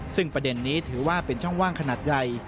ซึ่งประเด็นนี้ถือว่าเป็นช่องว่างขนาดใหญ่